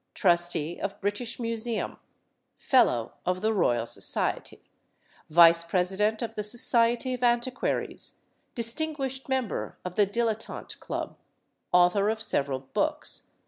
Trustee of British Museum, Fellow of the Royal Society, vice president of the Society of Antiquaries, distinguished member of the Dilettante Club, author of several books.